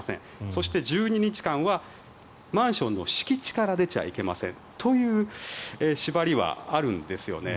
そして１２日間はマンションの敷地から出ちゃいけませんという縛りはあるんですよね。